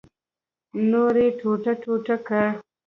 نور یې ټوټه ټوټه کړ.